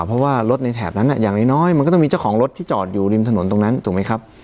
เพราะว่ารถในแถบนั้นอย่างน้อยมันก็ต้องมีเจ้าของรถที่จอดอยู่ริมถนนตรงนั้นถูกไหมครับ